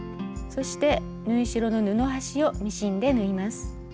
そして縫い代の布端をミシンで縫います。